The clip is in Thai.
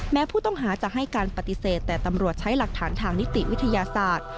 แม้ผู้ต้องหาจะให้การปฏิเสธแต่ตำรวจใช้หลักฐานทางนิติวิทยาศาสตร์